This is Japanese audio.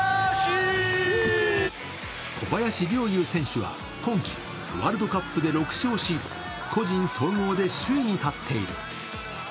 小林陵侑選手は今季ワールドカップで４勝し個人総合で首位に立っている。